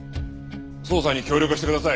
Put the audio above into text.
捜査に協力してください。